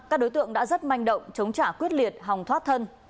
các đối tượng đã rất manh động chống trả quyết liệt hòng thoát thân